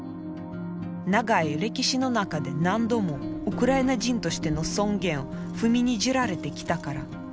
長い歴史の中で何度もウクライナ人としての尊厳を踏みにじられてきたから。